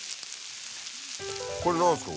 これ何ですか？